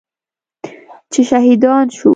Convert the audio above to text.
چې شهیدان شو.